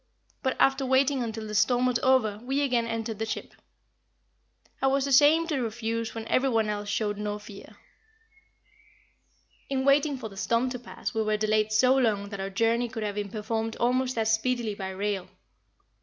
But after waiting until the storm was over we again entered the ship. I was ashamed to refuse when everyone else showed no fear. In waiting for the storm to pass we were delayed so long that our journey could have been performed almost as speedily by rail.